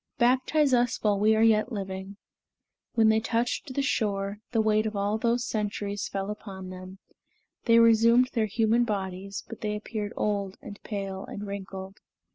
Baptize us while we are yet living." When they touched the shore, the weight of all those centuries fell upon them; they resumed their human bodies, but they appeared old and pale and wrinkled.